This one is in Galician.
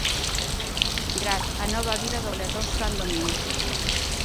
Graz, a nova vida do goleador Xoán Domínguez.